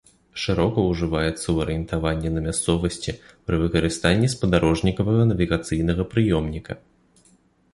Шырока ўжываецца ў арыентаванні на мясцовасці пры выкарыстанні спадарожнікавага навігацыйнага прыёмніка.